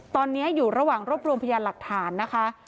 ตอนนี้อยู่ระหว่างรวบรวมพยานหลักฐานนะคะ